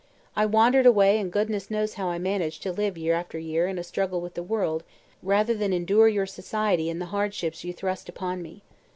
I wandered away and goodness knows how I managed to live year after year in a struggle with the world, rather than endure your society and the hardships you thrust upon me.